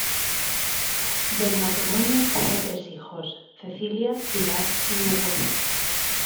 Del matrimonio tuvo tres hijos: Cecilia, Pilar y Hugo.